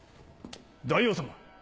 大王様